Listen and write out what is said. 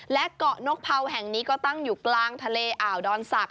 และเกาะนกเผาแห่งนี้ก็ตั้งอยู่กลางทะเลอ่าวดอนศักดิ